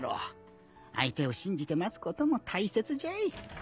相手を信じて待つことも大切じゃい。